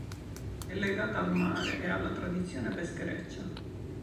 È legata al mare e alla tradizione peschereccia.